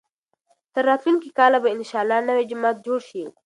تر راتلونکي کاله به انشاالله نوی جومات جوړ شي.